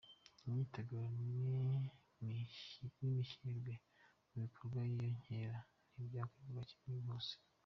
Imitegurirwe n’imishyirirwe mu bikorwa by’iyo nkera ntibyakorwaga kimwe hose .